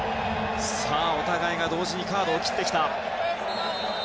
お互いが同時にカードを切ってきた。